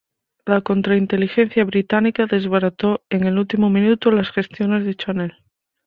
La contrainteligencia británica desbarató en el último minuto las gestiones de Chanel.